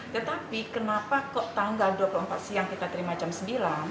tetapi kenapa kok tanggal dua puluh empat siang kita terima jam sembilan